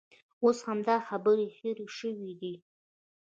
اوس همدا خبرې هېرې شوې دي.